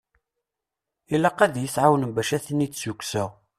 Ilaq ad yi-tɛawnem bac ad ten-id-sukkseɣ.